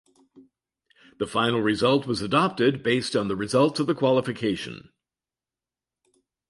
The final result was adopted based on the results of the qualification.